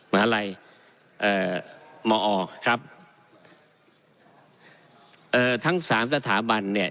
มหาลัยเอ่อมอครับเอ่อทั้งสามสถาบันเนี่ย